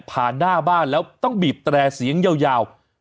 หน้าบ้านแล้วต้องบีบแตร่เสียงยาว